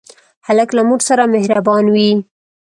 هلک له مور سره مهربان وي.